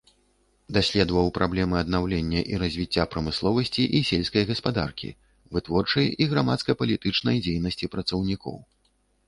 Даследаваў праблемы аднаўлення і развіцця прамысловасці і сельскай гаспадаркі, вытворчай і грамадска-палітычнай дзейнасці працаўнікоў.